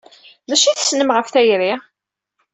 D acu ay tessnem ɣef tayri?